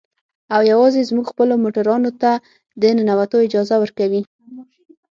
او يوازې زموږ خپلو موټرانو ته د ننوتو اجازه ورکوي.